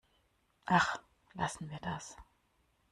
Ach, lassen wir das!